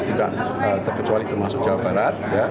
tidak terkecuali termasuk jawa barat